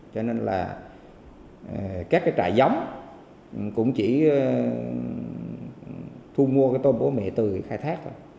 cho nên là các cái trại giống cũng chỉ thu mua cái tôm bố mẹ từ khai thác thôi